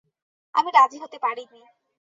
আমি রাজি হতে পারি নি।